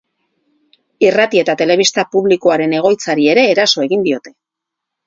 Irrati eta telebista publikoaren egoitzari ere eraso egin diote.